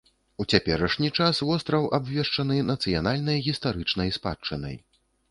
У цяперашні час востраў абвешчаны нацыянальнай гістарычнай спадчынай.